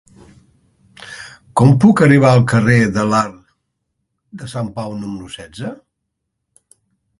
Com puc arribar al carrer de l'Arc de Sant Pau número setze?